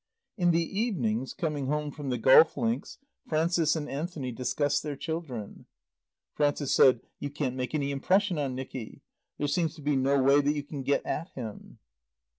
In the evenings, coming home from the golf links, Frances and Anthony discussed their children. Frances said, "You can't make any impression on Nicky. There seems to be no way that you can get at him."